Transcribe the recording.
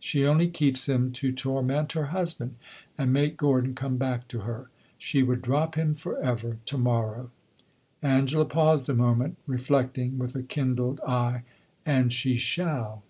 She only keeps him to torment her husband and make Gordon come back to her. She would drop him forever to morrow." Angela paused a moment, reflecting, with a kindled eye. "And she shall!"